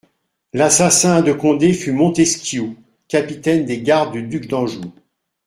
L'assassin de Condé fut Montesquiou, capitaine des gardes du duc d'Anjou.